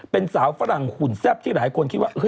เป็นสาวฝรั่งหุ่นแซ่บที่หลายคนคิดว่า